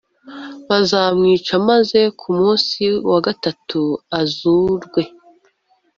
bazamwica maze ku munsi wa gatatu azurwe.”